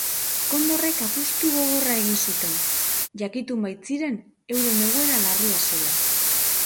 Kondorrek apustu gogorra egin zuten, jakitun baitziren euren egoera larria zela.